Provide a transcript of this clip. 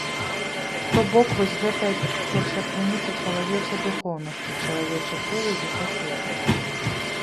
То бок вось гэтая першакрыніца чалавечай духоўнасці, чалавечай сувязі са светам.